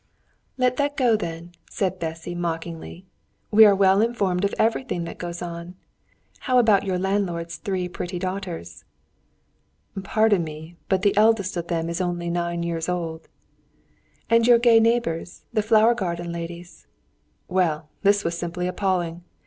"Let that go, then!" said Bessy mockingly. "We are well informed of everything that goes on. How about your landlord's three pretty daughters?" "Pardon me, but the eldest of them is only nine years old." "And your gay neighbours, the flower garden ladies?" Well, this was simply appalling.